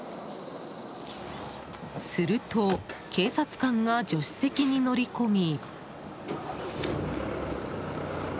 すると、警察官が助手席に乗り込み。